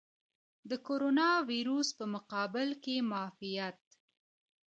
د کوروناویرس په مقابل کې معافیت.